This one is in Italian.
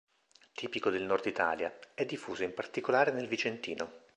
Tipico del Nord Italia, è diffuso in particolare nel Vicentino.